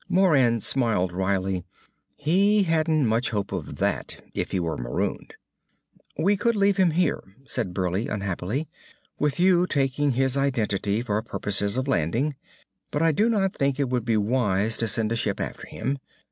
Moran smiled wryly. He hadn't much hope of that, if he were marooned. "We could leave him here," said Burleigh unhappily, "with you taking his identity for purposes of landing. But I do not think it would be wise to send a ship after him.